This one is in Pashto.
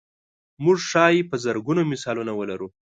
موږ ښایي په زرګونو مثالونه ولرو.